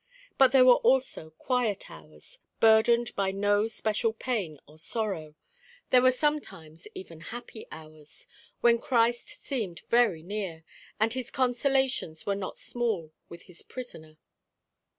But there were also quiet hours, burdened by no special pain or sorrow; there were sometimes even happy hours, when Christ seemed very near, and his consolations were not small with his prisoner.